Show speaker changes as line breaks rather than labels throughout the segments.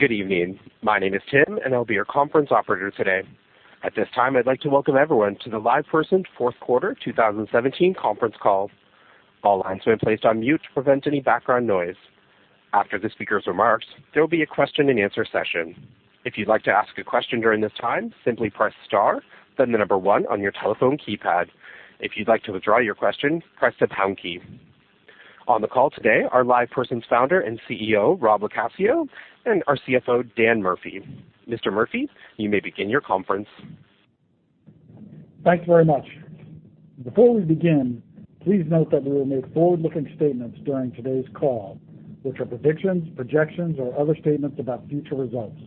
Good evening. My name is Tim, and I'll be your conference operator today. At this time, I'd like to welcome everyone to the LivePerson fourth quarter 2017 conference call. All lines have been placed on mute to prevent any background noise. After the speaker's remarks, there will be a question and answer session. If you'd like to ask a question during this time, simply press star, then the number one on your telephone keypad. If you'd like to withdraw your question, press the pound key. On the call today are LivePerson's founder and CEO, Rob LoCascio, and our CFO, Dan Murphy. Mr. Murphy, you may begin your conference.
Thank you very much. Before we begin, please note that we will make forward-looking statements during today's call, which are predictions, projections, or other statements about future results.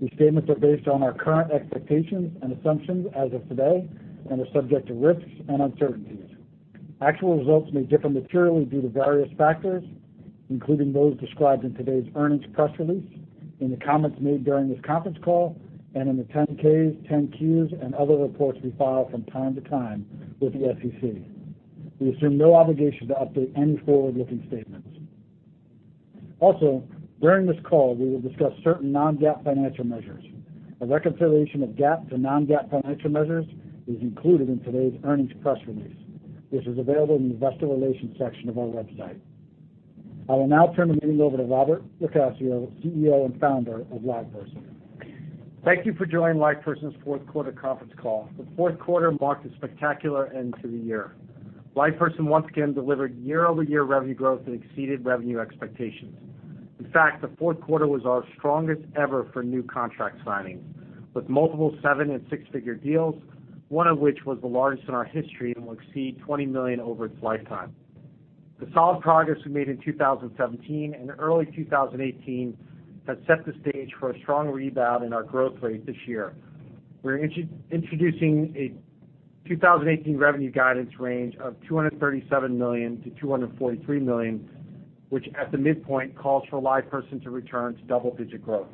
These statements are based on our current expectations and assumptions as of today and are subject to risks and uncertainties. Actual results may differ materially due to various factors, including those described in today's earnings press release, in the comments made during this conference call, and in the 10-Ks, 10-Qs, and other reports we file from time to time with the SEC. We assume no obligation to update any forward-looking statements. Also, during this call, we will discuss certain non-GAAP financial measures. A reconciliation of GAAP to non-GAAP financial measures is included in today's earnings press release, which is available in the investor relations section of our website. I will now turn the meeting over to Robert LoCascio, CEO and founder of LivePerson.
Thank you for joining LivePerson's fourth quarter conference call. The fourth quarter marked a spectacular end to the year. LivePerson once again delivered year-over-year revenue growth that exceeded revenue expectations. In fact, the fourth quarter was our strongest ever for new contract signings, with multiple seven and six-figure deals, one of which was the largest in our history and will exceed $20 million over its lifetime. The solid progress we made in 2017 and early 2018 has set the stage for a strong rebound in our growth rate this year. We're introducing a 2018 revenue guidance range of $237 million to $243 million, which, at the midpoint, calls for LivePerson to return to double-digit growth.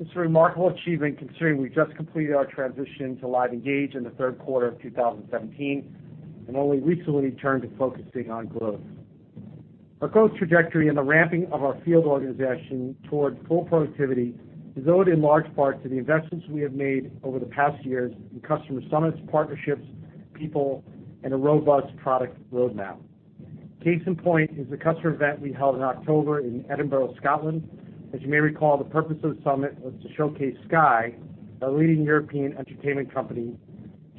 It's a remarkable achievement considering we just completed our transition to LiveEngage in the third quarter of 2017 and only recently turned to focusing on growth. Our growth trajectory and the ramping of our field organization toward full productivity is owed in large part to the investments we have made over the past years in customer summits, partnerships, people, and a robust product roadmap. Case in point is the customer event we held in October in Edinburgh, Scotland. As you may recall, the purpose of the summit was to showcase Sky, a leading European entertainment company,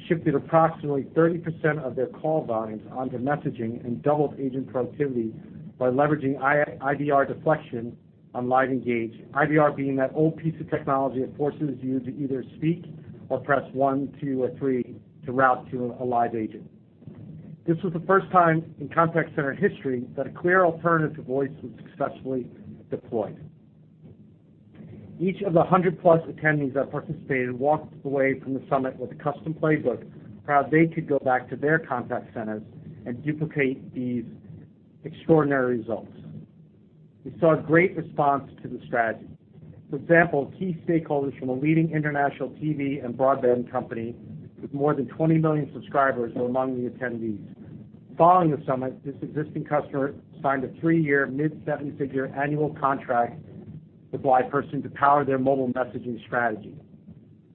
shifted approximately 30% of their call volumes onto messaging and doubled agent productivity by leveraging IVR deflection on LiveEngage, IVR being that old piece of technology that forces you to either speak or press one, two, or three to route to a live agent. This was the first time in contact center history that a clear alternative to voice was successfully deployed. Each of the 100-plus attendees that participated walked away from the summit with a custom playbook, proud they could go back to their contact centers and duplicate these extraordinary results. We saw a great response to the strategy. For example, key stakeholders from a leading international TV and broadband company with more than 20 million subscribers were among the attendees. Following the summit, this existing customer signed a three-year, mid-seven-figure annual contract with LivePerson to power their mobile messaging strategy.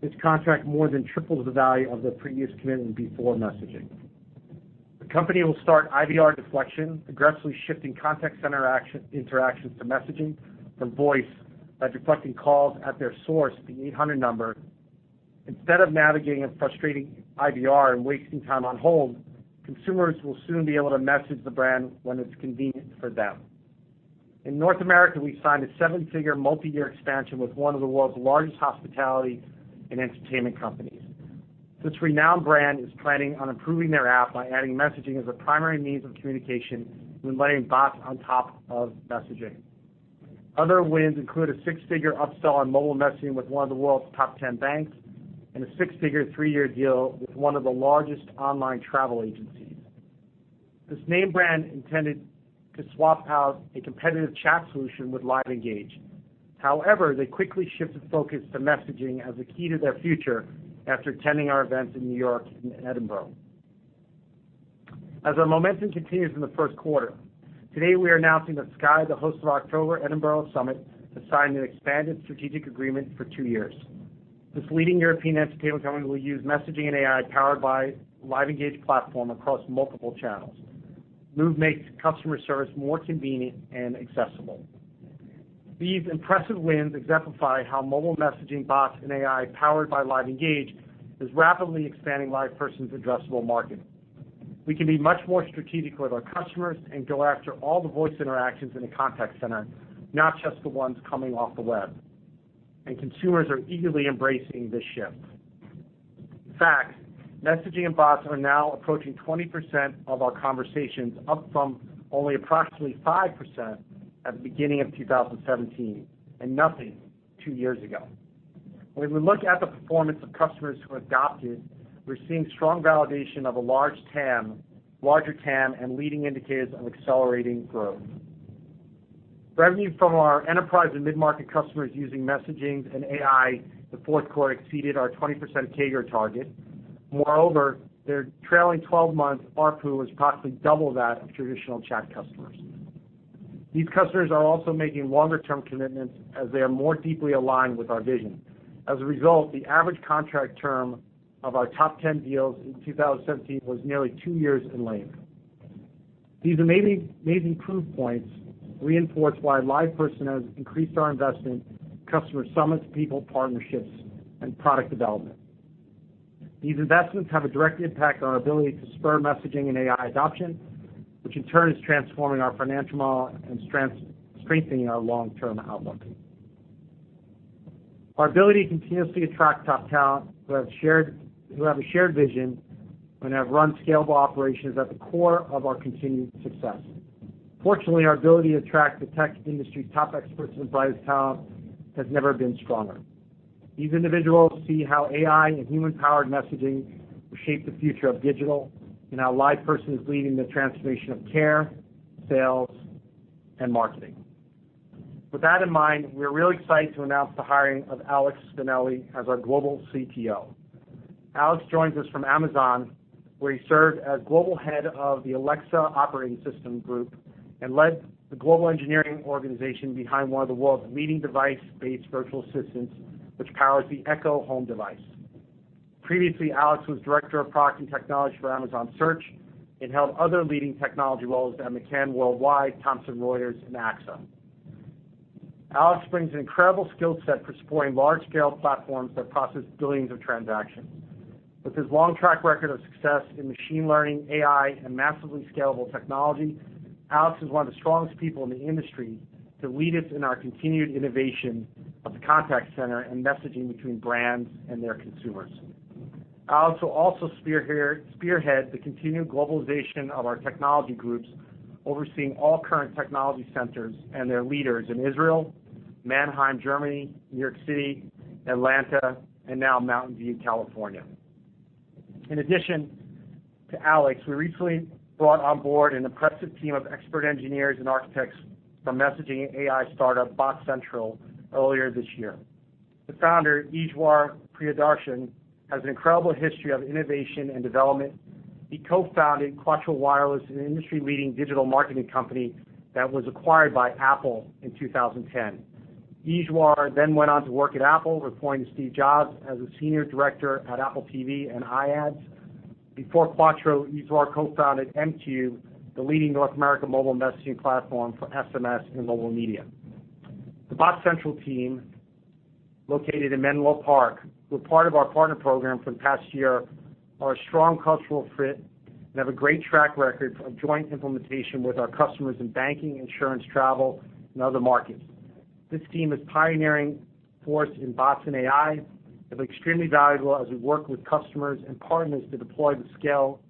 This contract more than triples the value of their previous commitment before messaging. The company will start IVR deflection, aggressively shifting contact center interactions to messaging from voice by deflecting calls at their source, the 800 number. Instead of navigating a frustrating IVR and wasting time on hold, consumers will soon be able to message the brand when it's convenient for them. In North America, we signed a seven-figure, multi-year expansion with one of the world's largest hospitality and entertainment companies. This renowned brand is planning on improving their app by adding messaging as a primary means of communication and embedding bots on top of messaging. Other wins include a six-figure upsell on mobile messaging with one of the world's top 10 banks and a six-figure, three-year deal with one of the largest online travel agencies. This name brand intended to swap out a competitive chat solution with LiveEngage. However, they quickly shifted focus to messaging as a key to their future after attending our events in New York and Edinburgh. As our momentum continues in the first quarter, today we are announcing that Sky, the host of October Edinburgh summit, has signed an expanded strategic agreement for two years. This leading European entertainment company will use messaging and AI powered by LiveEngage platform across multiple channels. Move makes customer service more convenient and accessible. These impressive wins exemplify how mobile messaging, bots, and AI powered by LiveEngage is rapidly expanding LivePerson's addressable market. We can be much more strategic with our customers and go after all the voice interactions in a contact center, not just the ones coming off the web. Consumers are eagerly embracing this shift. In fact, messaging and bots are now approaching 20% of our conversations, up from only approximately 5% at the beginning of 2017 and nothing two years ago. When we look at the performance of customers who adopted, we're seeing strong validation of a larger TAM and leading indicators of accelerating growth. Revenue from our enterprise and mid-market customers using messaging and AI in the fourth quarter exceeded our 20% CAGR target. Their trailing 12 months ARPU is approximately double that of traditional chat customers. These customers are also making longer-term commitments as they are more deeply aligned with our vision. As a result, the average contract term of our top 10 deals in 2017 was nearly two years in length. These amazing proof points reinforce why LivePerson has increased our investment in customer summits, people partnerships, and product development. These investments have a direct impact on our ability to spur messaging and AI adoption, which in turn is transforming our financial model and strengthening our long-term outlook. Our ability to continuously attract top talent who have a shared vision and have run scalable operations is at the core of our continued success. Our ability to attract the tech industry's top experts and brightest talent has never been stronger. These individuals see how AI and human-powered messaging will shape the future of digital and how LivePerson is leading the transformation of care, sales, and marketing. We're really excited to announce the hiring of Alex Spinelli as our Global CTO. Alex joins us from Amazon, where he served as Global Head of the Alexa Operating System Group and led the global engineering organization behind one of the world's leading device-based virtual assistants, which powers the Echo home device. Previously, Alex was Director of Product and Technology for Amazon Search and held other leading technology roles at McCann Worldgroup, Thomson Reuters, and AXA. Alex brings an incredible skill set for supporting large-scale platforms that process billions of transactions. With his long track record of success in machine learning, AI, and massively scalable technology, Alex is one of the strongest people in the industry to lead us in our continued innovation of the contact center and messaging between brands and their consumers. Alex will also spearhead the continued globalization of our technology groups, overseeing all current technology centers and their leaders in Israel, Mannheim, Germany, New York City, Atlanta, and now Mountain View, California. In addition to Alex, we recently brought on board an impressive team of expert engineers and architects from messaging and AI startup BotCentral earlier this year. The founder, Eswar Priyadarshan, has an incredible history of innovation and development. He co-founded Quattro Wireless, an industry-leading digital marketing company that was acquired by Apple in 2010. Eswar then went on to work at Apple, reporting to Steve Jobs as a senior director at Apple TV and iAd. Before Quattro, Eswar co-founded m-Qube, the leading North American mobile messaging platform for SMS and mobile media. The BotCentral team, located in Menlo Park, were part of our partner program for the past year, are a strong cultural fit, and have a great track record for joint implementation with our customers in banking, insurance, travel, and other markets. This team is pioneering force in bots and AI and extremely valuable as we work with customers and partners to deploy the scale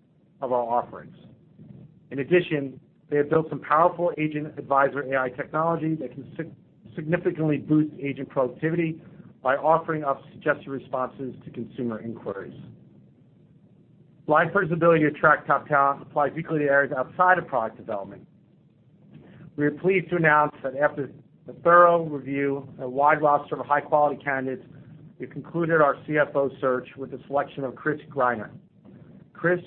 of our offerings. In addition, they have built some powerful agent advisor AI technology that can significantly boost agent productivity by offering up suggested responses to consumer inquiries. LivePerson's ability to attract top talent applies equally to areas outside of product development. We are pleased to announce that after a thorough review of a wide roster of high-quality candidates, we concluded our CFO search with the selection of Chris Greiner. Chris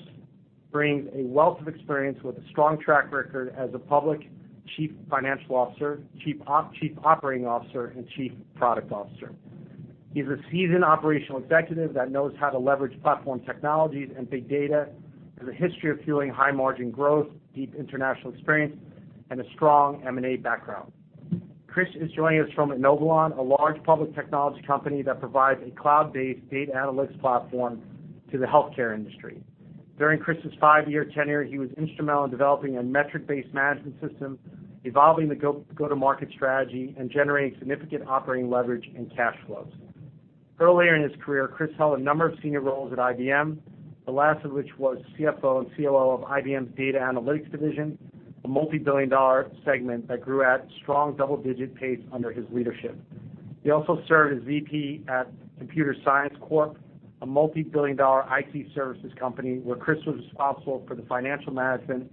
brings a wealth of experience with a strong track record as a public chief financial officer, chief operating officer, and chief product officer. He's a seasoned operational executive that knows how to leverage platform technologies and big data, has a history of fueling high-margin growth, deep international experience, and a strong M&A background. Chris is joining us from Inovalon, a large public technology company that provides a cloud-based data analytics platform to the healthcare industry. During Chris' five-year tenure, he was instrumental in developing a metric-based management system, evolving the go-to-market strategy, and generating significant operating leverage and cash flows. Earlier in his career, Chris held a number of senior roles at IBM, the last of which was CFO and COO of IBM's data analytics division, a multibillion-dollar segment that grew at a strong double-digit pace under his leadership. He also served as VP at Computer Sciences Corp., a multibillion-dollar IT services company, where Chris was responsible for the financial management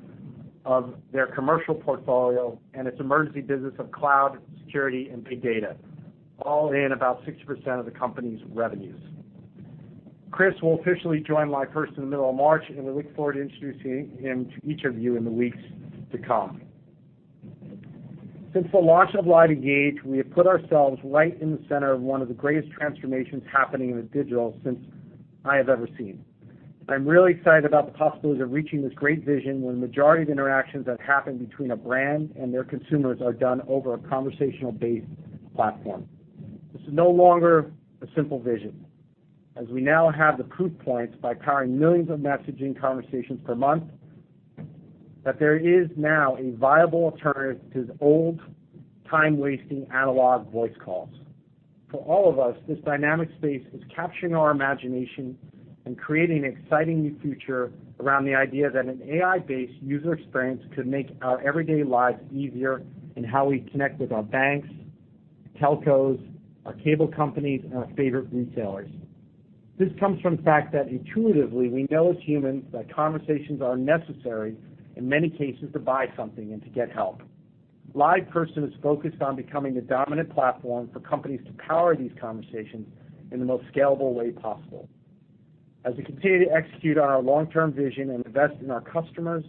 of their commercial portfolio and its emerging business of cloud, security, and big data, all in about 60% of the company's revenues. Chris will officially join LivePerson in the middle of March, and we look forward to introducing him to each of you in the weeks to come. Since the launch of LiveEngage, we have put ourselves right in the center of one of the greatest transformations happening in digital since I have ever seen. I'm really excited about the possibilities of reaching this great vision when the majority of interactions that happen between a brand and their consumers are done over a conversational-based platform. This is no longer a simple vision, as we now have the proof points by powering millions of messaging conversations per month that there is now a viable alternative to old, time-wasting analog voice calls. For all of us, this dynamic space is capturing our imagination and creating an exciting new future around the idea that an AI-based user experience could make our everyday lives easier in how we connect with our banks, telcos, our cable companies, and our favorite retailers. This comes from the fact that intuitively, we know as humans that conversations are necessary in many cases to buy something and to get help. LivePerson is focused on becoming the dominant platform for companies to power these conversations in the most scalable way possible. As we continue to execute on our long-term vision and invest in our customers,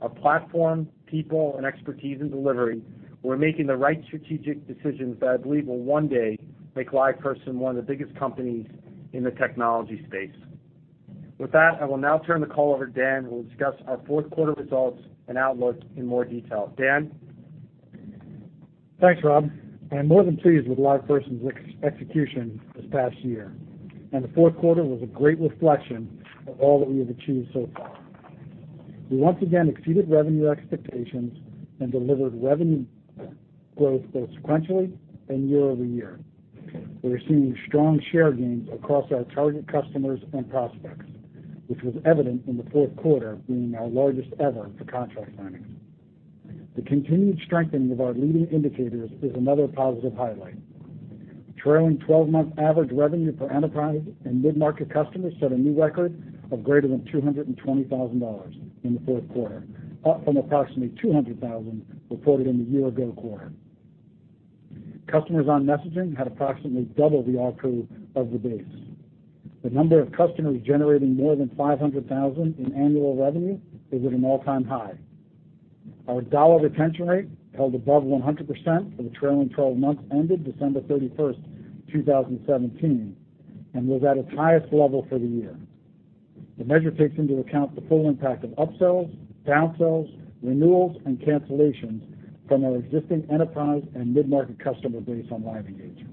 our platform, people, and expertise in delivery, we're making the right strategic decisions that I believe will one day make LivePerson one of the biggest companies in the technology space. With that, I will now turn the call over to Dan, who will discuss our fourth quarter results and outlook in more detail. Dan?
Thanks, Rob. I am more than pleased with LivePerson's execution this past year. The fourth quarter was a great reflection of all that we have achieved so far. We once again exceeded revenue expectations and delivered revenue growth both sequentially and year-over-year. We are seeing strong share gains across our target customers and prospects, which was evident in the fourth quarter being our largest ever for contract signings. The continued strengthening of our leading indicators is another positive highlight. Trailing 12-month average revenue per enterprise and mid-market customers set a new record of greater than $220,000 in the fourth quarter, up from approximately $200,000 reported in the year-ago quarter. Customers on messaging had approximately double the ARPU of the base. The number of customers generating more than $500,000 in annual revenue is at an all-time high. Our dollar retention rate held above 100% for the trailing 12-months ended December 31st, 2017, and was at its highest level for the year. The measure takes into account the full impact of upsells, downsells, renewals, and cancellations from our existing enterprise and mid-market customer base on LiveEngage.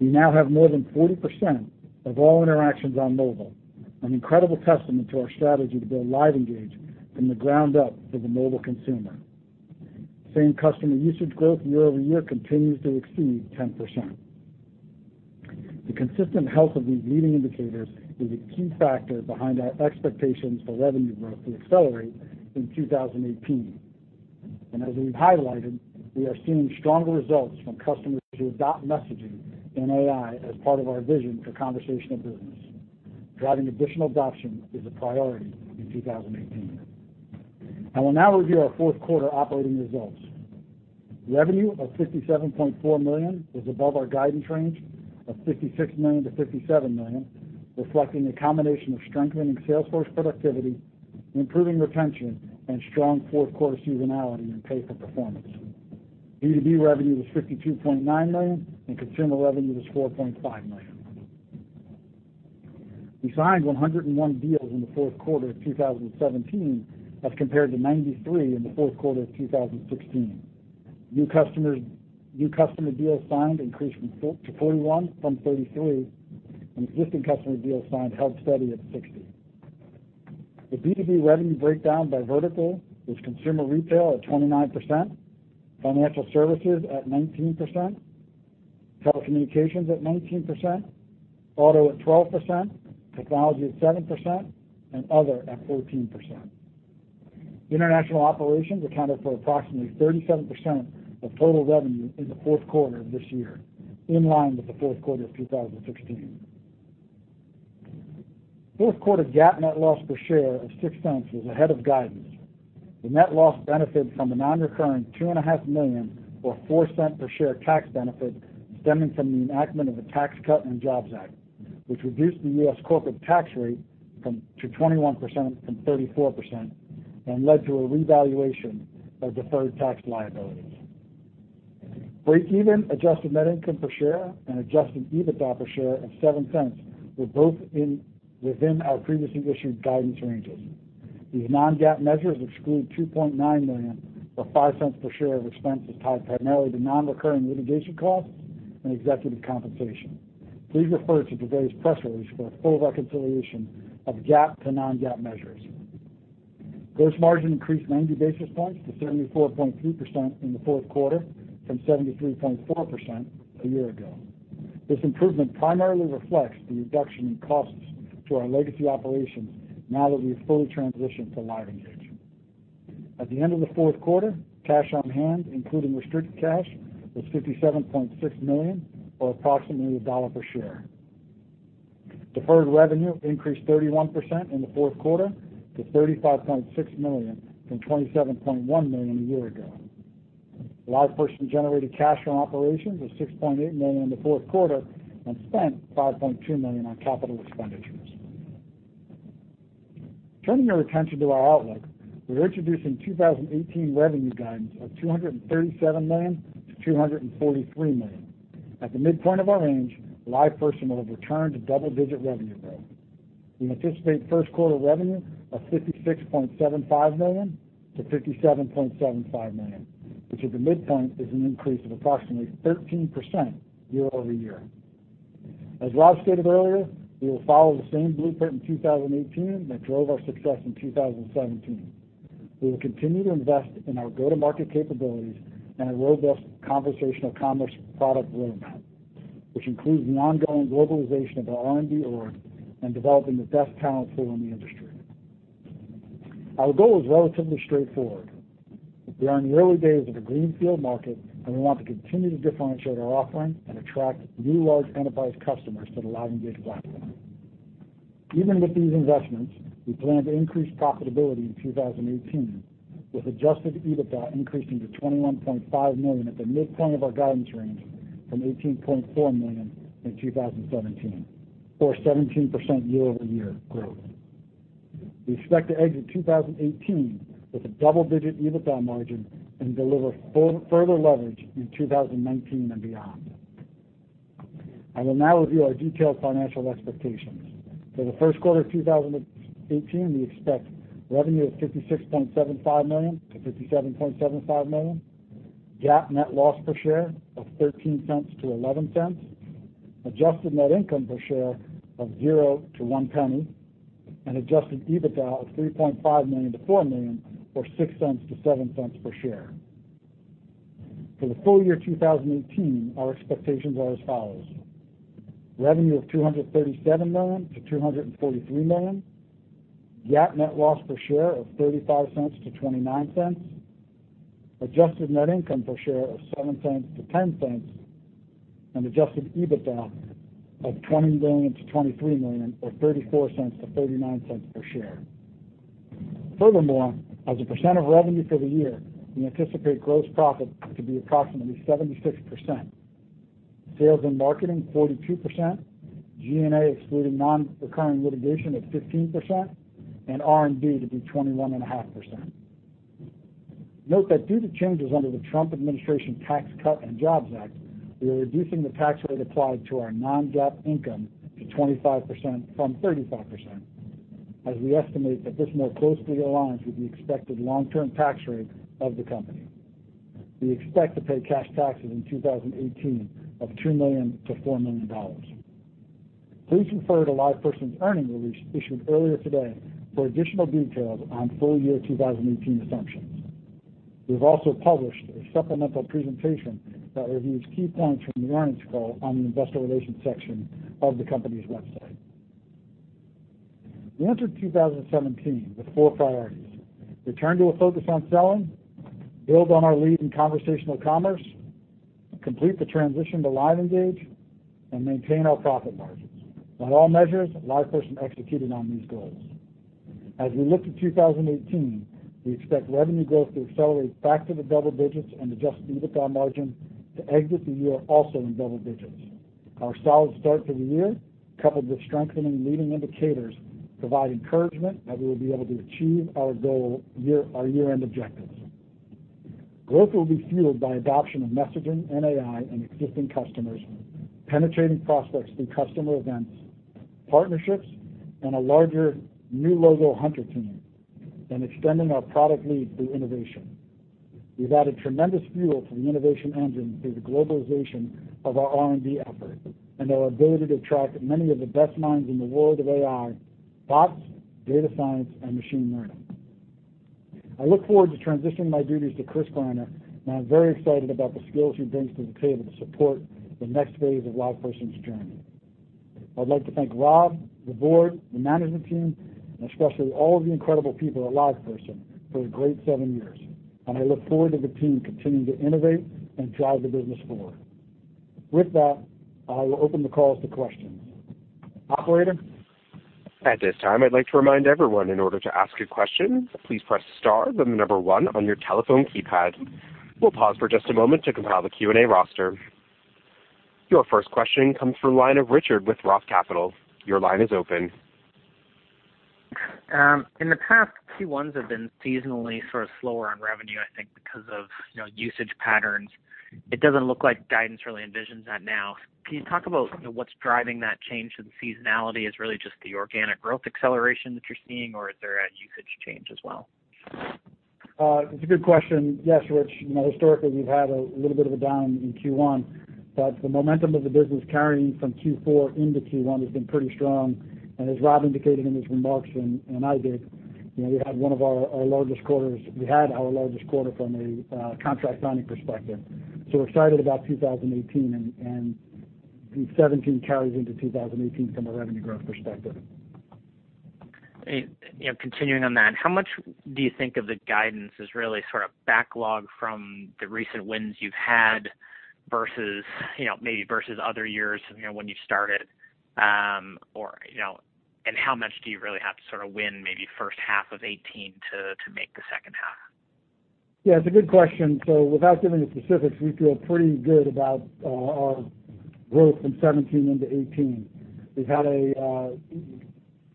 We now have more than 40% of all interactions on mobile, an incredible testament to our strategy to build LiveEngage from the ground up for the mobile consumer. Same-customer usage growth year-over-year continues to exceed 10%. The consistent health of these leading indicators is a key factor behind our expectations for revenue growth to accelerate in 2018. As we've highlighted, we are seeing stronger results from customers who adopt messaging and AI as part of our vision for conversational business. Driving additional adoption is a priority in 2018. I will now review our fourth quarter operating results. Revenue of $57.4 million is above our guidance range of $56 million-$57 million, reflecting a combination of strengthening sales force productivity, improving retention, and strong fourth-quarter seasonality and pay-for-performance. B2B revenue was $52.9 million, and consumer revenue was $4.5 million. We signed 101 deals in the fourth quarter of 2017 as compared to 93 in the fourth quarter of 2016. New customer deals signed increased to 41 from 33, and existing customer deals signed held steady at 60. The B2B revenue breakdown by vertical was consumer retail at 29%, financial services at 19%, telecommunications at 19%, auto at 12%, technology at 7%, and other at 14%. International operations accounted for approximately 37% of total revenue in the fourth quarter of this year, in line with the fourth quarter of 2016. Fourth quarter GAAP net loss per share of $0.06 was ahead of guidance. The net loss benefited from the non-recurring two and a half million, or $0.04 per share tax benefit stemming from the enactment of the Tax Cuts and Jobs Act, which reduced the U.S. corporate tax rate to 21% from 34% and led to a revaluation of deferred tax liabilities. Break even adjusted net income per share and adjusted EBITDA per share of $0.07 were both within our previously issued guidance ranges. These non-GAAP measures exclude $2.9 million, or $0.05 per share of expenses tied primarily to non-recurring litigation costs and executive compensation. Please refer to today's press release for a full reconciliation of GAAP to non-GAAP measures. Gross margin increased 90 basis points to 74.3% in the fourth quarter from 73.4% a year ago. This improvement primarily reflects the reduction in costs to our legacy operations now that we've fully transitioned to LiveEngage. At the end of the fourth quarter, cash on hand, including restricted cash, was $57.6 million or approximately $1.00 per share. Deferred revenue increased 31% in the fourth quarter to $35.6 million from $27.1 million a year ago. LivePerson generated cash from operations of $6.8 million in the fourth quarter and spent $5.2 million on capital expenditures. Turning your attention to our outlook, we're introducing 2018 revenue guidance of $237 million-$243 million. At the midpoint of our range, LivePerson will have returned to double-digit revenue growth. We anticipate first quarter revenue of $56.75 million-$57.75 million, which at the midpoint is an increase of approximately 13% year-over-year. As Rob stated earlier, we will follow the same blueprint in 2018 that drove our success in 2017. We will continue to invest in our go-to-market capabilities and a robust conversational commerce product roadmap, which includes the ongoing globalization of our R&D org and developing the best talent pool in the industry. Our goal is relatively straightforward. We are in the early days of a greenfield market, and we want to continue to differentiate our offering and attract new large enterprise customers to the LiveEngage platform. Even with these investments, we plan to increase profitability in 2018 with adjusted EBITDA increasing to $21.5 million at the midpoint of our guidance range from $18.4 million in 2017 for 17% year-over-year growth. We expect to exit 2018 with a double-digit EBITDA margin and deliver further leverage in 2019 and beyond. I will now review our detailed financial expectations. For the first quarter of 2018, we expect revenue of $56.75 million-$57.75 million, GAAP net loss per share of $0.13-$0.11, adjusted net income per share of $0.00-$0.01, and adjusted EBITDA of $3.5 million-$4 million or $0.06-$0.07 per share. For the full year 2018, our expectations are as follows: revenue of $237 million-$243 million, GAAP net loss per share of $0.35-$0.29, adjusted net income per share of $0.07-$0.10, and adjusted EBITDA of $20 million-$23 million or $0.34-$0.39 per share. Furthermore, as a percent of revenue for the year, we anticipate gross profit to be approximately 76%, sales and marketing 42%, G&A excluding non-recurring litigation of 15%, and R&D to be 21.5%. Note that due to changes under the Trump Administration Tax Cuts and Jobs Act, we are reducing the tax rate applied to our non-GAAP income to 25% from 35%, as we estimate that this more closely aligns with the expected long-term tax rate of the company. We expect to pay cash taxes in 2018 of $2 million-$4 million. Please refer to LivePerson's earnings release issued earlier today for additional details on full-year 2018 assumptions. We've also published a supplemental presentation that reviews key points from the earnings call on the investor relations section of the company's website. We entered 2017 with four priorities. Return to a focus on selling, build on our lead in conversational commerce, complete the transition to LiveEngage, and maintain our profit margins. By all measures, LivePerson executed on these goals. As we look to 2018, we expect revenue growth to accelerate back to the double digits and adjust EBITDA margin to exit the year also in double digits. Our solid start to the year, coupled with strengthening leading indicators, provide encouragement that we will be able to achieve our year-end objectives. Growth will be fueled by adoption of messaging and AI and existing customers, penetrating prospects through customer events, partnerships, and a larger new logo hunter team and extending our product lead through innovation. We've added tremendous fuel to the innovation engine through the globalization of our R&D efforts and our ability to attract many of the best minds in the world of AI, bots, data science, and machine learning. I look forward to transitioning my duties to Chris Greiner, I'm very excited about the skills he brings to the table to support the next phase of LivePerson's journey. I'd like to thank Rob, the board, the management team, and especially all of the incredible people at LivePerson for a great seven years. I look forward to the team continuing to innovate and drive the business forward. With that, I will open the call to questions. Operator?
At this time, I'd like to remind everyone, in order to ask a question, please press star, then the number one on your telephone keypad. We'll pause for just a moment to compile the Q&A roster. Your first question comes from the line of Richard with Roth Capital. Your line is open.
In the past, Q1s have been seasonally sort of slower on revenue, I think because of usage patterns. It doesn't look like guidance really envisions that now. Can you talk about what's driving that change in seasonality? Is it really just the organic growth acceleration that you're seeing, or is there a usage change as well?
It's a good question. Yes, Rich. Historically, we've had a little bit of a down in Q1, but the momentum of the business carrying from Q4 into Q1 has been pretty strong. As Rob indicated in his remarks, and I did, we had our largest quarter from a contract signing perspective. We're excited about 2018 and 2017 carries into 2018 from a revenue growth perspective.
Continuing on that, how much do you think of the guidance is really sort of backlog from the recent wins you've had versus other years when you started? How much do you really have to sort of win maybe first half of 2018 to make the second half?
Yeah, it's a good question. Without giving the specifics, we feel pretty good about our growth from 2017 into 2018.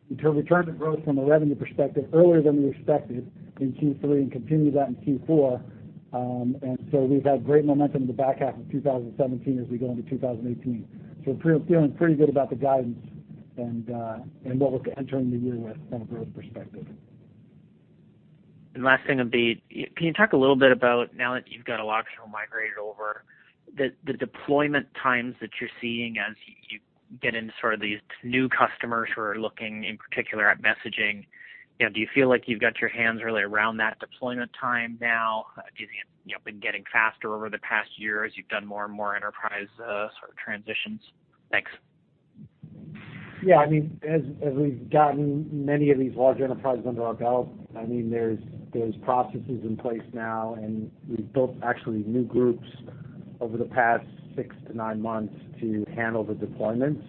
We returned to growth from a revenue perspective earlier than we expected in Q3 and continued that in Q4. We've had great momentum in the back half of 2017 as we go into 2018. Feeling pretty good about the guidance and what we're entering the year with from a growth perspective.
Last thing would be, can you talk a little bit about now that you've got a Lotional migrated over, the deployment times that you're seeing as you get into sort of these new customers who are looking in particular at messaging? Do you feel like you've got your hands really around that deployment time now? Do you think it's been getting faster over the past year as you've done more and more enterprise sort of transitions? Thanks.
Yeah. As we've gotten many of these large enterprises under our belt, there's processes in place now, and we've built actually new groups
Over the past six to nine months to handle the deployments.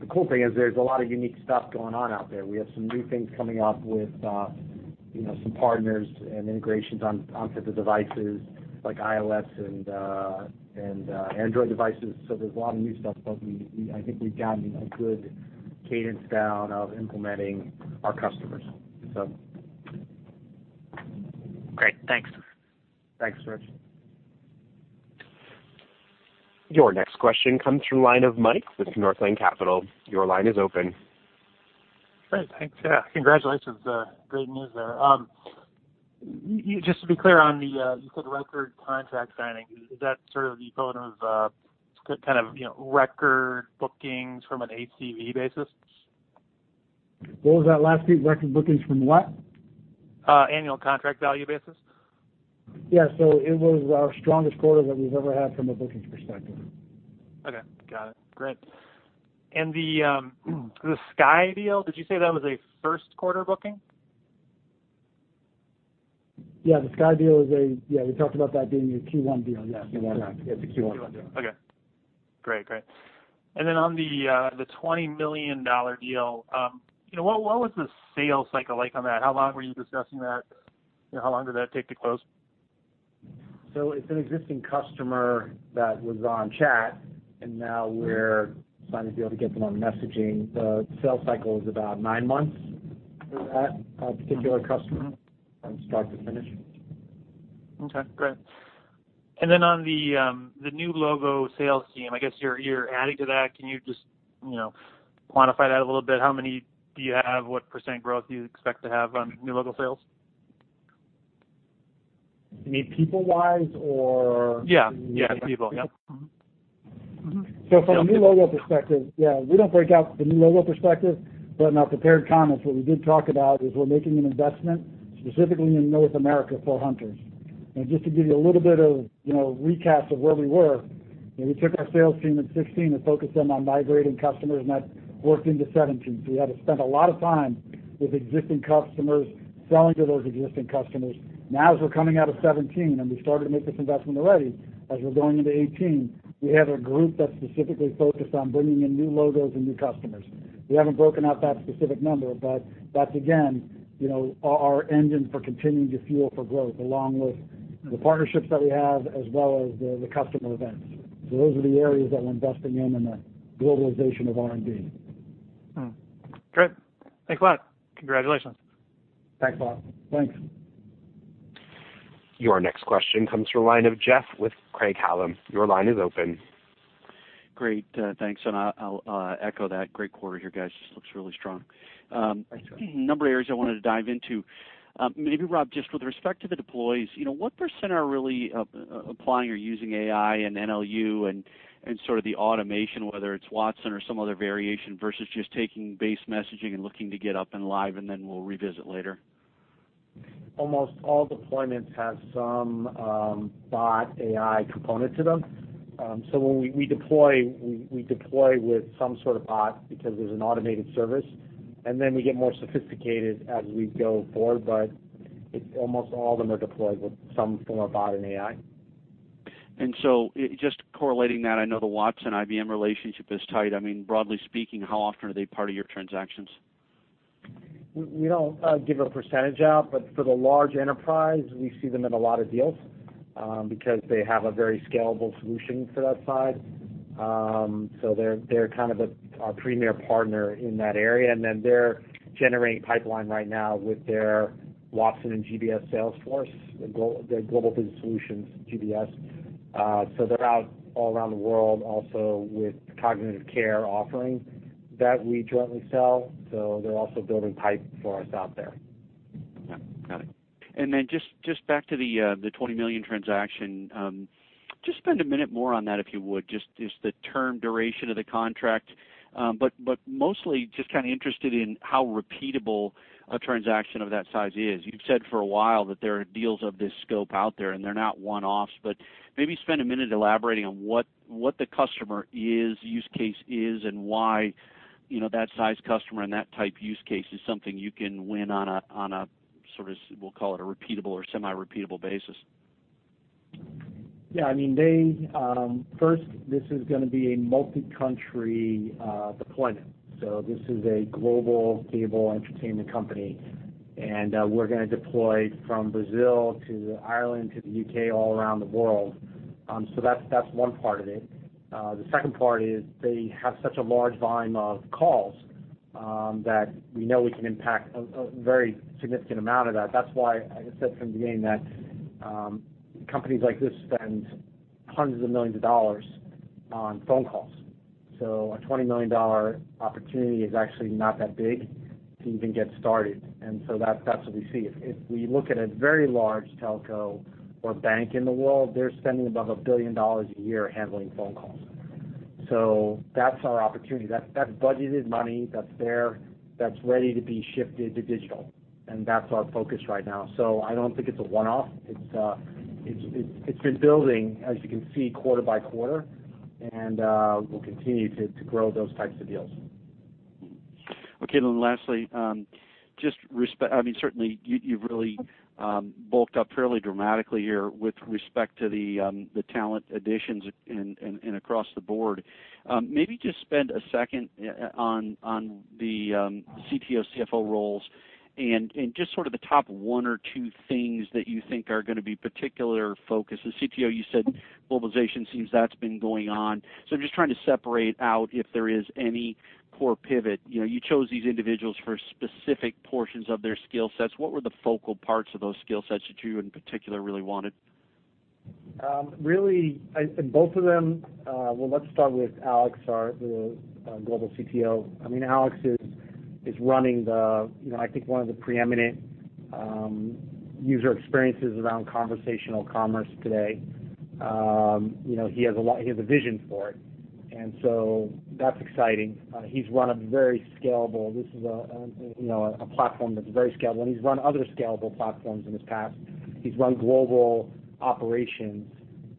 The cool thing is there's a lot of unique stuff going on out there. We have some new things coming up with some partners and integrations onto the devices like iOS and Android devices, there's a lot of new stuff, but I think we've gotten a good cadence down of implementing our customers.
Great, thanks.
Thanks, Rich.
Your next question comes through line of Mike with Northland Capital Markets. Your line is open.
Great. Thanks. Yeah, congratulations. Great news there. Just to be clear, you said record contract signing. Is that the equivalent of record bookings from an ACV basis?
What was that last piece? Record bookings from what?
Annual contract value basis.
Yeah. It was our strongest quarter that we've ever had from a bookings perspective.
Okay. Got it. Great. The Sky deal, did you say that was a first-quarter booking?
Yeah. The Sky deal. Yeah, we talked about that being a Q1 deal, yes.
Q1.
Yeah, it's a Q1 deal.
Q1. Okay. Great. On the $20 million deal, what was the sales cycle like on that? How long were you discussing that? How long did that take to close?
It's an existing customer that was on chat, and now we're signing a deal to get them on messaging. The sales cycle is about nine months for that particular customer, from start to finish.
Okay, great. On the new logo sales team, I guess you're adding to that. Can you just quantify that a little bit? How many do you have? What % growth do you expect to have on new logo sales?
You mean people-wise or?
Yeah.
Yeah, people. Yep. Mm-hmm.
From a new logo perspective, yeah, we don't break out the new logo perspective, but in our prepared comments, what we did talk about is we're making an investment specifically in North America for hunters. Just to give you a little bit of recap of where we were, we took our sales team in 2016 and focused them on migrating customers, and that worked into 2017. We had to spend a lot of time with existing customers, selling to those existing customers. As we're coming out of 2017, and we started to make this investment already, as we're going into 2018, we have a group that's specifically focused on bringing in new logos and new customers. We haven't broken out that specific number, but that's, again, our engine for continuing to fuel for growth, along with the partnerships that we have, as well as the customer events. Those are the areas that we're investing in, and the globalization of R&D.
Great. Thanks a lot. Congratulations.
Thanks a lot.
Thanks.
Your next question comes from line of Jeff with Craig-Hallum. Your line is open.
Great. Thanks. I'll echo that. Great quarter here, guys. This looks really strong.
Thanks, Jeff.
A number of areas I wanted to dive into. Maybe, Rob, just with respect to the deploys, what % are really applying or using AI and NLU and sort of the automation, whether it's Watson or some other variation, versus just taking base messaging and looking to get up and live and then we'll revisit later?
Almost all deployments have some bot AI component to them. When we deploy, we deploy with some sort of bot because there's an automated service, and then we get more sophisticated as we go forward, but almost all of them are deployed with some form of bot and AI.
Just correlating that, I know the Watson-IBM relationship is tight. Broadly speaking, how often are they part of your transactions?
We don't give a percentage out, but for the large enterprise, we see them in a lot of deals because they have a very scalable solution for that side. They're kind of our premier partner in that area, and then they're generating pipeline right now with their Watson and GBS sales force, their Global Business Services, GBS. They're out all around the world also with cognitive care offering that we jointly sell. They're also building pipe for us out there.
Okay, got it. Just back to the $20 million transaction. Just spend a minute more on that, if you would, just the term duration of the contract. Mostly just kind of interested in how repeatable a transaction of that size is. You've said for a while that there are deals of this scope out there, and they're not one-offs, but maybe spend a minute elaborating on what the customer is, use case is, and why that size customer and that type use case is something you can win on a sort of, we'll call it a repeatable or semi-repeatable basis.
Yeah. First, this is going to be a multi-country deployment. This is a global cable entertainment company, and we're going to deploy from Brazil to Ireland to the U.K., all around the world. That's one part of it. The second part is they have such a large volume of calls that we know we can impact a very significant amount of that. That's why I said from the beginning that companies like this spend hundreds of millions of dollars on phone calls. A $20 million opportunity is actually not that big to even get started. That's what we see. If we look at a very large telco or bank in the world, they're spending above $1 billion a year handling phone calls. That's our opportunity. That's budgeted money that's there, that's ready to be shifted to digital, and that's our focus right now. I don't think it's a one-off. It's been building, as you can see, quarter by quarter, and we'll continue to grow those types of deals.
Okay, lastly, certainly you've really bulked up fairly dramatically here with respect to the talent additions and across the board. Maybe just spend a second on the CTO, CFO roles, and just sort of the top one or two things that you think are going to be particular focus. The CTO, you said globalization seems that's been going on. I'm just trying to separate out if there is any core pivot. You chose these individuals for specific portions of their skill sets. What were the focal parts of those skill sets that you, in particular, really wanted?
Really, both of them. Well, let's start with Alex, our global CTO. Alex is running, I think, one of the preeminent user experiences around conversational commerce today. That's exciting. This is a platform that's very scalable, and he's run other scalable platforms in his past. He's run global operations.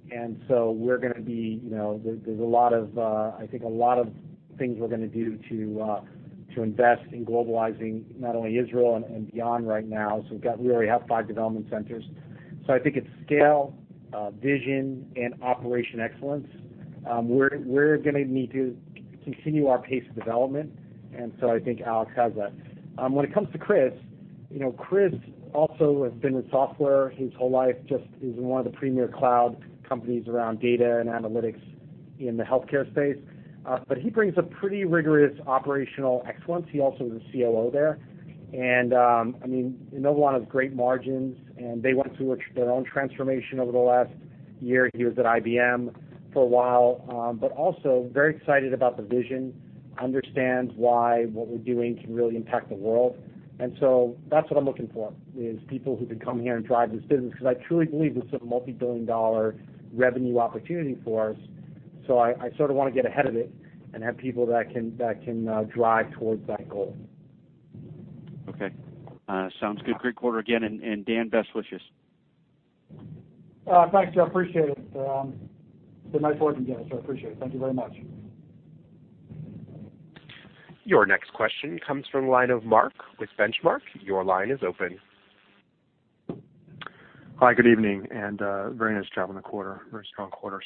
There's a lot of things we're going to do to invest in globalizing, not only Israel and beyond right now. We already have five development centers. I think it's scale, vision, and operation excellence. We're going to need to continue our pace of development. I think Alex has that. When it comes to Chris also has been with software his whole life, just is in one of the premier cloud companies around data and analytics in the healthcare space. He brings a pretty rigorous operational excellence. He also was a COO there. Inovalon has great margins. They went through their own transformation over the last year. He was at IBM for a while. Also very excited about the vision, understands why what we're doing can really impact the world. That's what I'm looking for, is people who can come here and drive this business, because I truly believe this is a multi-billion dollar revenue opportunity for us. I sort of want to get ahead of it and have people that can drive towards that goal.
Okay. Sounds good. Great quarter again, Dan, best wishes.
Thanks, Jeff. I appreciate it. It's been my pleasure, Jeff, so I appreciate it. Thank you very much.
Your next question comes from the line of Mark with Benchmark. Your line is open.
Hi, good evening, and very nice job on the quarter. Very strong quarter.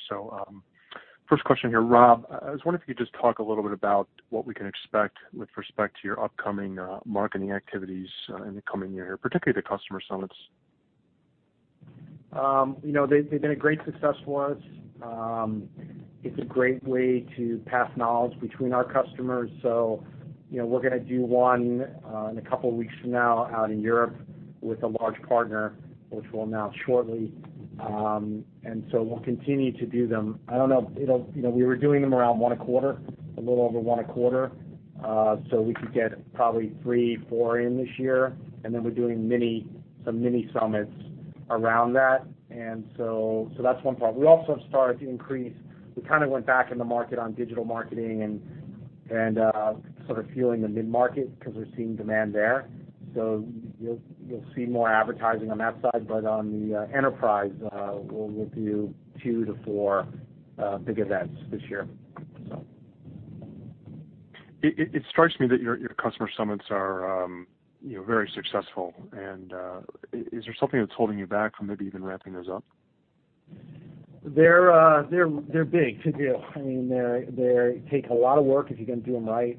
First question here, Rob, I was wondering if you could just talk a little bit about what we can expect with respect to your upcoming marketing activities in the coming year, particularly the customer summits.
They've been a great success for us. It's a great way to pass knowledge between our customers. We're going to do one in a couple of weeks from now out in Europe with a large partner, which we'll announce shortly. We'll continue to do them. I don't know. We were doing them around one a quarter, a little over one a quarter. We could get probably three, four in this year. We're doing some mini summits around that. That's one part. We also have started to increase. We kind of went back in the market on digital marketing and sort of feeling the mid-market because we're seeing demand there. You'll see more advertising on that side. On the enterprise, we'll do two to four big events this year.
It strikes me that your customer summits are very successful. Is there something that's holding you back from maybe even ramping those up?
They're big to do. They take a lot of work if you're going to do them right.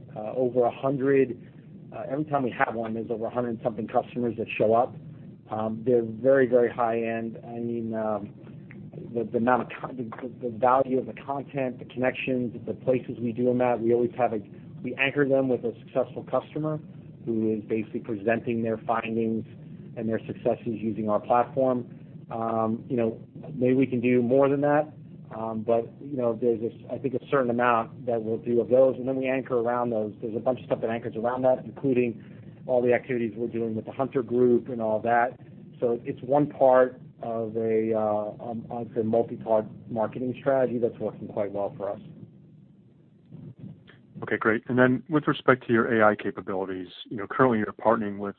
Every time we have one, there's over 100 and something customers that show up. They're very, very high-end. The value of the content, the connections, the places we do them at, we anchor them with a successful customer who is basically presenting their findings and their successes using our platform. Maybe we can do more than that, but there's, I think, a certain amount that we'll do of those, and then we anchor around those. There's a bunch of stuff that anchors around that, including all the activities we're doing with the Hunter group and all that. It's one part of a multi-part marketing strategy that's working quite well for us.
Okay, great. With respect to your AI capabilities, currently you're partnering with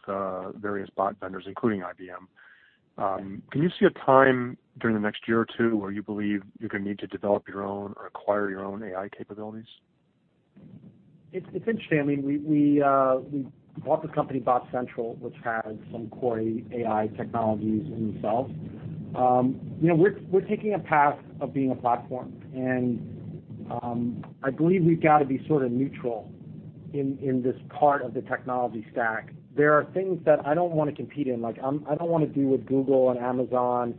various bot vendors, including IBM. Can you see a time during the next year or two where you believe you're going to need to develop your own or acquire your own AI capabilities?
It's interesting. We bought the company BotCentral, which has some core AI technologies themselves. We're taking a path of being a platform, and I believe we've got to be sort of neutral in this part of the technology stack. There are things that I don't want to compete in. I don't want to do what Google and Amazon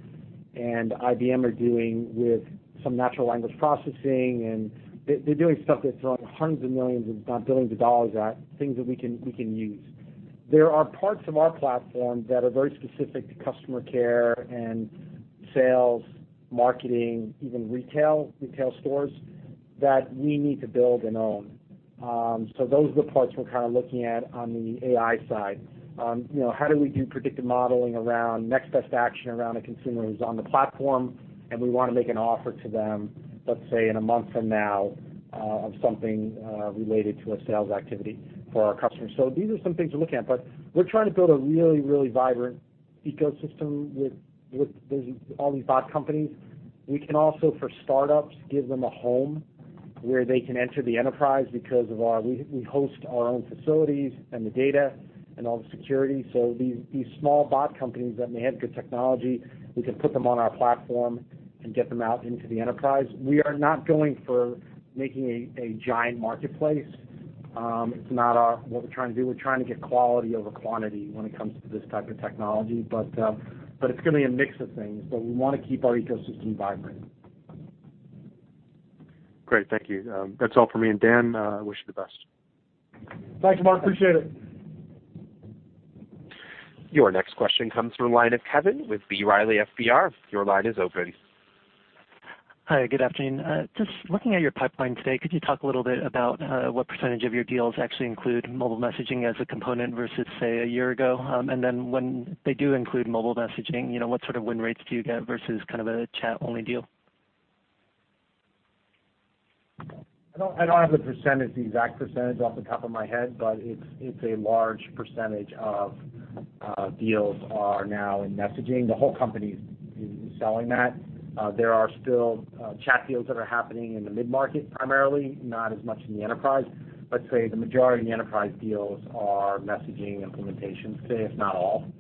and IBM are doing with some natural language processing. They're doing stuff that's hundreds of millions, if not billions of dollars at things that we can use. There are parts of our platform that are very specific to customer care and sales, marketing, even retail stores that we need to build and own. Those are the parts we're kind of looking at on the AI side. How do we do predictive modeling around next best action around a consumer who's on the platform, and we want to make an offer to them, let's say, in a month from now of something related to a sales activity for our customers. These are some things we're looking at, we're trying to build a really, really vibrant ecosystem with all these bot companies. We can also, for startups, give them a home where they can enter the enterprise because we host our own facilities and the data and all the security. These small bot companies that may have good technology, we can put them on our platform and get them out into the enterprise. We are not going for making a giant marketplace. It's not what we're trying to do. We're trying to get quality over quantity when it comes to this type of technology. It's going to be a mix of things, but we want to keep our ecosystem vibrant.
Great. Thank you. That's all for me. Dan, I wish you the best.
Thanks, Mark. Appreciate it.
Your next question comes from the line of Kevin with B. Riley FBR. Your line is open.
Hi, good afternoon. Just looking at your pipeline today, could you talk a little bit about what percentage of your deals actually include mobile messaging as a component versus, say, a year ago? When they do include mobile messaging, what sort of win rates do you get versus a chat-only deal?
I don't have the exact percentage off the top of my head, it's a large percentage of deals are now in messaging. The whole company's selling that. There are still chat deals that are happening in the mid-market, primarily, not as much in the enterprise. I'd say the majority of the enterprise deals are messaging implementations today, if not all.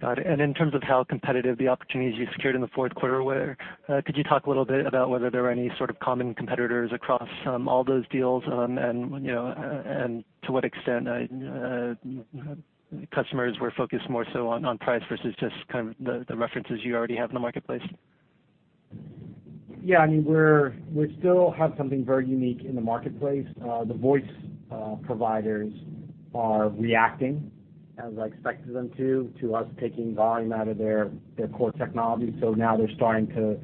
Got it. In terms of how competitive the opportunities you secured in the fourth quarter were, could you talk a little bit about whether there were any sort of common competitors across all those deals and to what extent customers were focused more so on price versus just the references you already have in the marketplace?
Yeah, we still have something very unique in the marketplace. The voice providers are reacting, as I expected them to us taking volume out of their core technology. Now they're starting to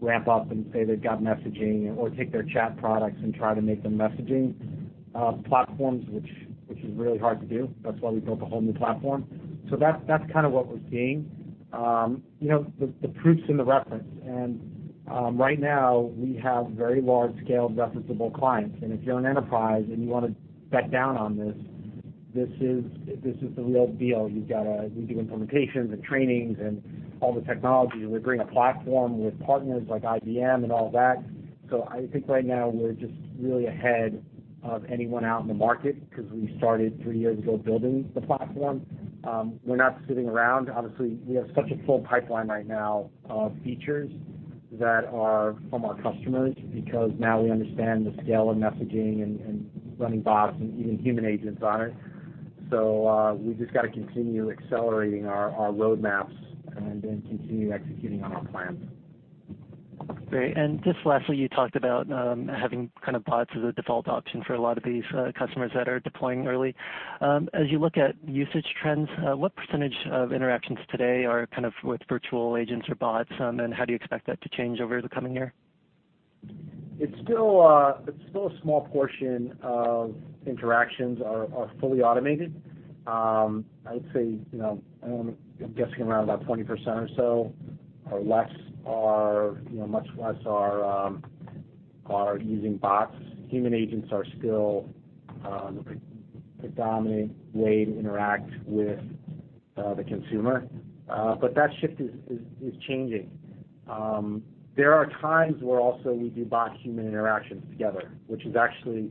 ramp up and say they've got messaging or take their chat products and try to make them messaging platforms, which is really hard to do. That's why we built a whole new platform. That's what we're seeing. The proof's in the reference, and right now we have very large-scale referenceable clients. If you're an enterprise and you want to bet down on this is the real deal. We do implementations and trainings and all the technology. We bring a platform with partners like IBM and all that. I think right now we're just really ahead of anyone out in the market because we started three years ago building the platform. We're not sitting around, obviously. We have such a full pipeline right now of features that are from our customers because now we understand the scale of messaging and running bots and even human agents on it. We've just got to continue accelerating our roadmaps and continue executing on our plans.
Great. Just lastly, you talked about having bots as a default option for a lot of these customers that are deploying early. As you look at usage trends, what % of interactions today are with virtual agents or bots, and how do you expect that to change over the coming year?
It's still a small portion of interactions are fully automated. I would say, I'm guessing around about 20% or so or less are using bots. Human agents are still the predominant way to interact with the consumer. That shift is changing. There are times where also we do bot-human interactions together, which is actually,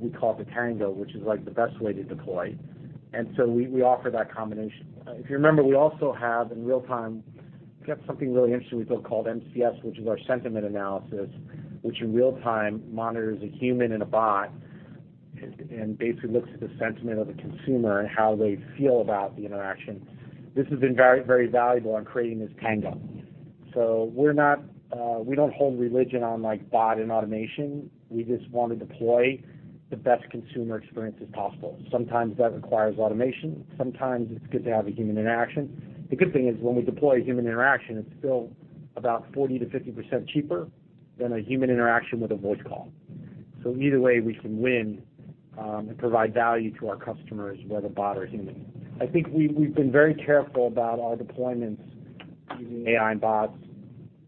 we call it the tango, which is the best way to deploy. We offer that combination. If you remember, we also have in real-time, we've got something really interesting we built called MCS, which is our sentiment analysis, which in real time monitors a human and a bot and basically looks at the sentiment of the consumer and how they feel about the interaction. This has been very valuable in creating this tango. We don't hold religion on bot and automation. We just want to deploy the best consumer experiences possible. Sometimes that requires automation. Sometimes it's good to have a human interaction. The good thing is when we deploy human interaction, it's still about 40%-50% cheaper than a human interaction with a voice call. Either way, we can win and provide value to our customers, whether bot or human. I think we've been very careful about our deployments using AI and bots,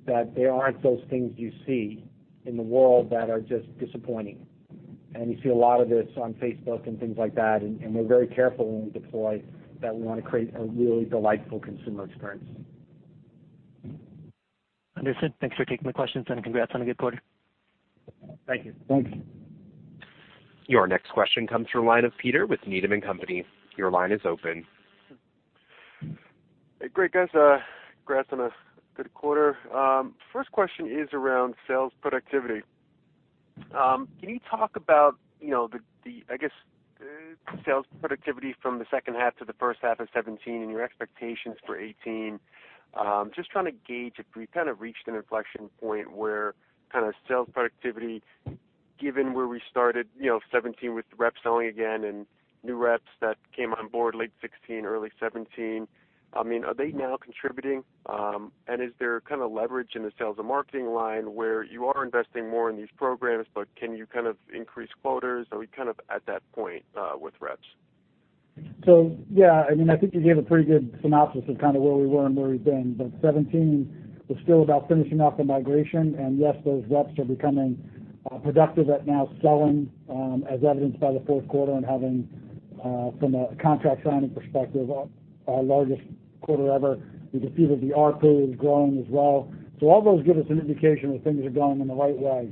that they aren't those things you see in the world that are just disappointing. You see a lot of this on Facebook and things like that, and we're very careful when we deploy that we want to create a really delightful consumer experience.
Understood. Thanks for taking my questions and congrats on a good quarter.
Thank you.
Thanks.
Your next question comes from the line of Peter with Needham & Company. Your line is open.
Hey, great guys. Congrats on a good quarter. First question is around sales productivity. Can you talk about the, I guess, sales productivity from the second half to the first half of 2017 and your expectations for 2018? Just trying to gauge if we've reached an inflection point where sales productivity, given where we started 2017 with reps selling again and new reps that came on board late 2016, early 2017, are they now contributing? Is there leverage in the sales and marketing line where you are investing more in these programs, but can you increase quotas? Are we at that point with reps?
Yeah, I think you gave a pretty good synopsis of where we were and where we've been. 2017 was still about finishing off the migration. Yes, those reps are becoming productive at now selling, as evidenced by the fourth quarter and having
From a contract signing perspective, our largest quarter ever. You can see that the ARPA is growing as well. All those give us an indication that things are going in the right way.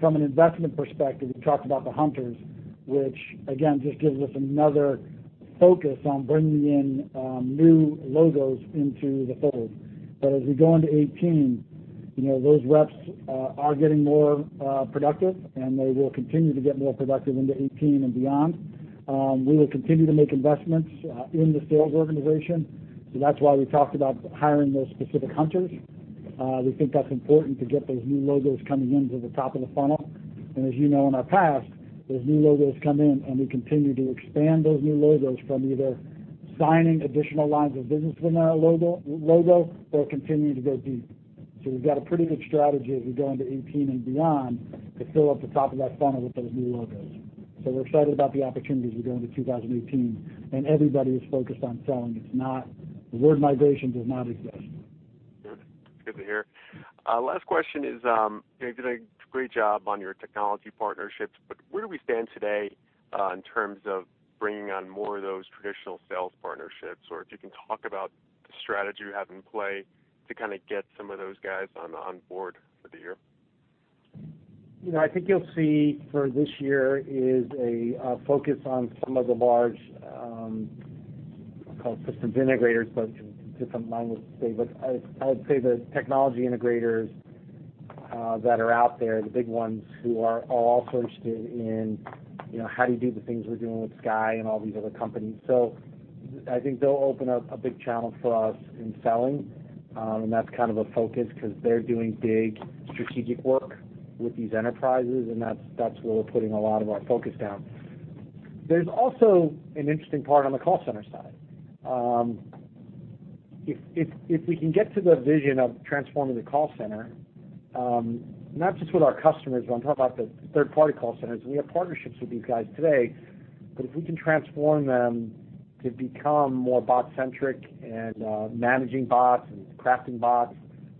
From an investment perspective, we talked about the hunters, which again, just gives us another focus on bringing in new logos into the fold. As we go into 2018, those reps are getting more productive, and they will continue to get more productive into 2018 and beyond. We will continue to make investments in the sales organization. That's why we talked about hiring those specific hunters. We think that's important to get those new logos coming into the top of the funnel. As you know, in our past, those new logos come in, and we continue to expand those new logos from either signing additional lines of business from that logo or continuing to go deep. We've got a pretty good strategy as we go into 2018 and beyond to fill up the top of that funnel with those new logos. We're excited about the opportunities as we go into 2018, and everybody is focused on selling. The word migration does not exist.
Good to hear. Last question is, you did a great job on your technology partnerships. Where do we stand today in terms of bringing on more of those traditional sales partnerships? If you can talk about the strategy you have in play to kind of get some of those guys on board for the year.
I think you'll see for this year is a focus on some of the large, call it systems integrators, but different language to say. I would say the technology integrators that are out there, the big ones who are all also interested in how do you do the things we're doing with Sky and all these other companies. I think they'll open up a big channel for us in selling. That's kind of a focus because they're doing big strategic work with these enterprises, and that's where we're putting a lot of our focus down. There's also an interesting part on the call center side. If we can get to the vision of transforming the call center, not just with our customers, but I'm talking about the third-party call centers, and we have partnerships with these guys today, but if we can transform them to become more bot-centric and managing bots and crafting bots,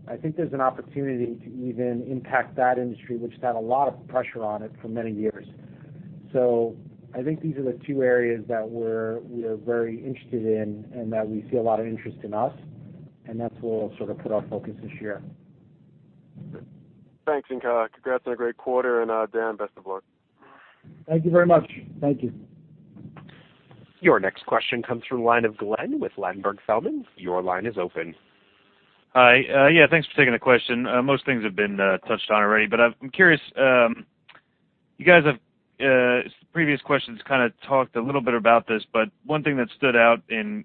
I think there's an opportunity to even impact that industry, which has had a lot of pressure on it for many years. I think these are the two areas that we're very interested in and that we see a lot of interest in us, and that's where we'll sort of put our focus this year.
Thanks. Congrats on a great quarter, and Dan, best of luck.
Thank you very much. Thank you.
Your next question comes from the line of Glenn with Ladenburg Thalmann. Your line is open.
Hi. Thanks for taking the question. Most things have been touched on already, but I'm curious. You guys have, previous questions kind of talked a little bit about this, but one thing that stood out in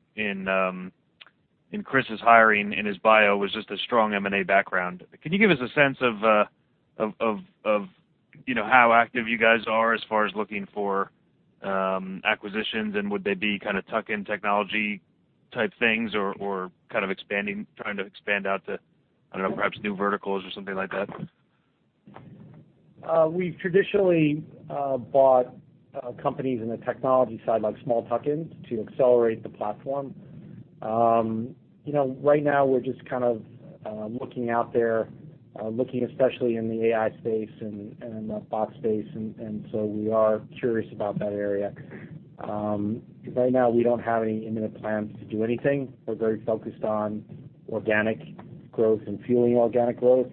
Chris's hiring, in his bio, was just a strong M&A background. Can you give us a sense of how active you guys are as far as looking for acquisitions, would they be kind of tuck-in technology type things or kind of trying to expand out to, I don't know, perhaps new verticals or something like that?
We've traditionally bought companies in the technology side, like small tuck-ins, to accelerate the platform. Right now, we're just kind of looking out there, looking especially in the AI space and in the bot space, we are curious about that area. Right now, we don't have any imminent plans to do anything. We're very focused on organic growth and fueling organic growth.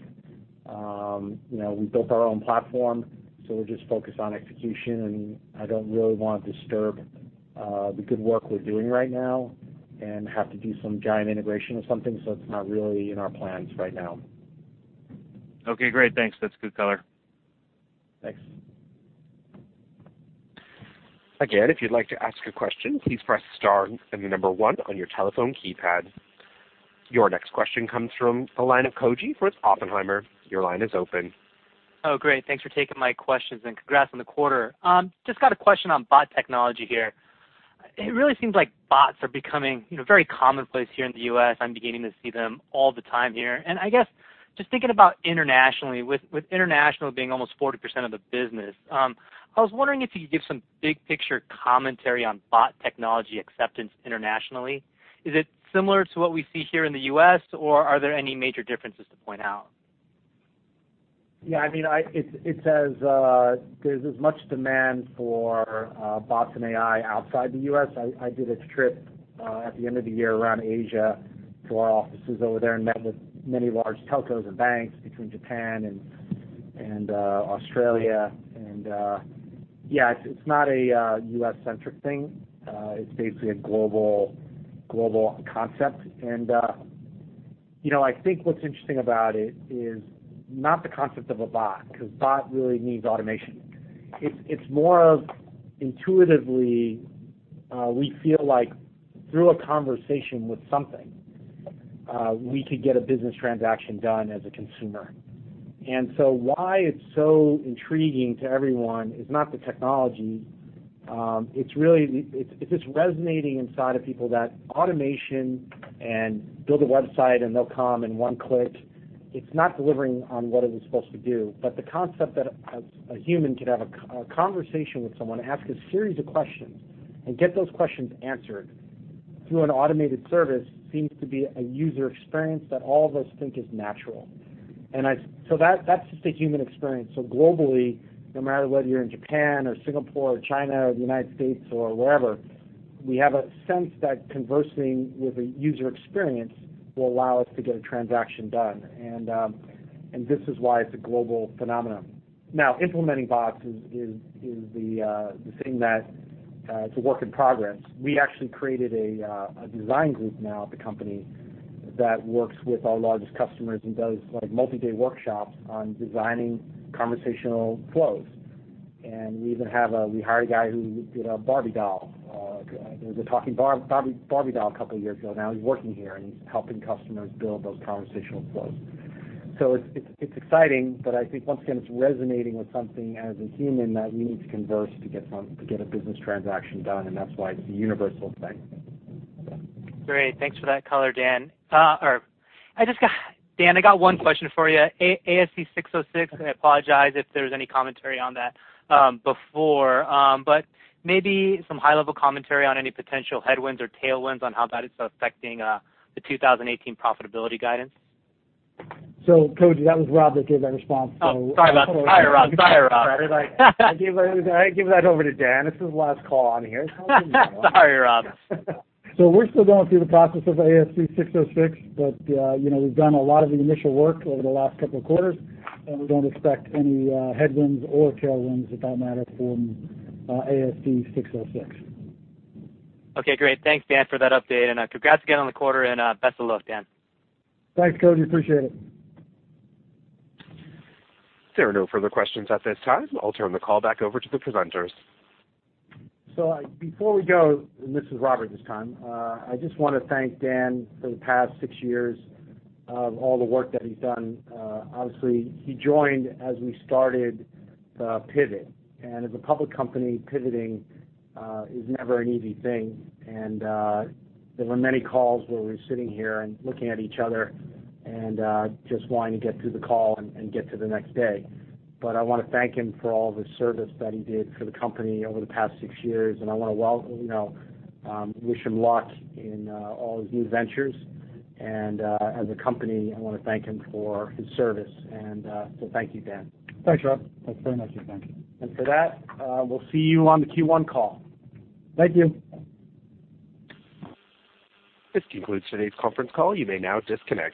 We built our own platform, we're just focused on execution, I don't really want to disturb the good work we're doing right now and have to do some giant integration or something. It's not really in our plans right now.
Okay, great. Thanks. That's good color.
Thanks.
Again, if you'd like to ask a question, please press star and the number 1 on your telephone keypad. Your next question comes from the line of Koji with Oppenheimer. Your line is open.
Oh, great. Thanks for taking my questions, and congrats on the quarter. Just got a question on bot technology here. It really seems like bots are becoming very commonplace here in the U.S. I'm beginning to see them all the time here. I guess, just thinking about internationally, with international being almost 40% of the business, I was wondering if you could give some big-picture commentary on bot technology acceptance internationally. Is it similar to what we see here in the U.S., or are there any major differences to point out?
Yeah, there's as much demand for bots and AI outside the U.S. I did a trip at the end of the year around Asia to our offices over there and met with many large telcos and banks between Japan and Australia. Yeah, it's not a U.S.-centric thing. It's basically a global concept. I think what's interesting about it is not the concept of a bot, because bot really means automation. It's more of intuitively, we feel like through a conversation with something, we could get a business transaction done as a consumer. Why it's so intriguing to everyone is not the technology. It's just resonating inside of people that automation and build a website, and they'll come in one click. It's not delivering on what it was supposed to do. The concept that a human could have a conversation with someone, ask a series of questions, and get those questions answered through an automated service seems to be a user experience that all of us think is natural. That's just a human experience. Globally, no matter whether you're in Japan or Singapore or China or the U.S. or wherever, we have a sense that conversing with a user experience will allow us to get a transaction done. This is why it's a global phenomenon. Implementing bots is the thing that is a work in progress. We actually created a design group now at the company that works with our largest customers and does multi-day workshops on designing conversational flows. We hired a guy who did a Barbie doll. There was a talking Barbie doll a couple of years ago. He's working here, and he's helping customers build those conversational flows. It's exciting, but I think once again, it's resonating with something as a human that we need to converse to get a business transaction done, and that's why it's a universal thing.
Great. Thanks for that color, Dan. Dan, I got one question for you. ASC 606, I apologize if there's any commentary on that before. Maybe some high-level commentary on any potential headwinds or tailwinds on how that is affecting the 2018 profitability guidance.
Koji, that was Rob that gave that response.
Oh, sorry about that. Sorry, Rob.
I gave that over to Dan. This is his last call on here.
Sorry, Rob.
We're still going through the process of ASC 606, but we've done a lot of the initial work over the last couple of quarters, and we don't expect any headwinds or tailwinds, if that matter, from ASC 606.
Okay, great. Thanks, Dan, for that update. Congrats again on the quarter and best of luck, Dan.
Thanks, Koji, appreciate it.
There are no further questions at this time. I'll turn the call back over to the presenters.
Before we go, and this is Robert this time, I just want to thank Dan for the past six years of all the work that he's done. Obviously, he joined as we started the pivot. As a public company, pivoting is never an easy thing. There were many calls where we were sitting here and looking at each other and just wanting to get through the call and get to the next day. I want to thank him for all the service that he did for the company over the past six years, and I want to wish him luck in all his new ventures. As a company, I want to thank him for his service. Thank you, Dan.
Thanks, Rob. Thanks very much. Yeah, thank you.
For that, we'll see you on the Q1 call.
Thank you.
This concludes today's conference call. You may now disconnect.